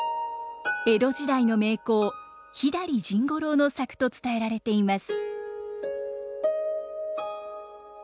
江戸時代の名工左甚五郎の作と伝えられています。